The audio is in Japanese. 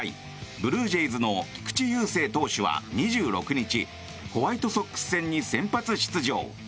ブルージェイズの菊池雄星投手は２６日ホワイトソックス戦に先発出場。